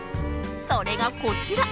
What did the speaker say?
それが、こちら。